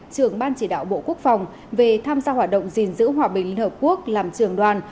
trưởng ban chỉ đạo bộ quốc phòng về tham gia hoạt động gìn giữ hòa bình liên hợp quốc làm trường đoàn